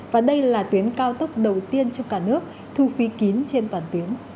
và đây là tuyến cao tốc đầu tiên trong cả nước thu phí kín trên toàn tuyến